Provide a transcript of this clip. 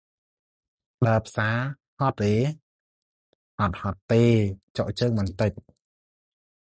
«ដើរផ្សារ ហត់អេ៎?» «អត់ហត់ទេ! ចុកជើងបន្តិច។»